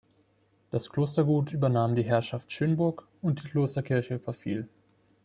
Das Klostergut übernahm die Herrschaft Schönburg und die Klosterkirche verfiel.